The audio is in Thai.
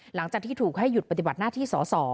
หลังจากที่ถูกให้หยุดปฏิบัติหน้าที่สอสอ